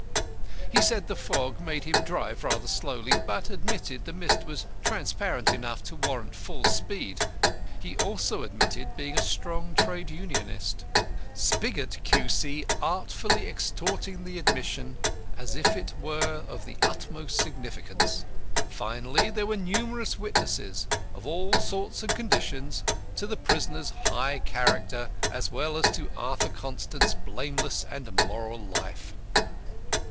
He said the fog made him drive rather slowly, but admitted the mist was transparent enough to warrant full speed. He also admitted being a strong trade unionist, SPIGOT, Q.C., artfully extorting the admission as if it were of the utmost significance. Finally, there were numerous witnesses of all sorts and conditions to the prisoner's high character, as well as to Arthur Constant's blameless and moral life.